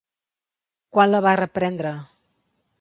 Quan la va reprendre?